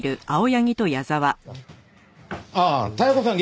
ああ妙子さん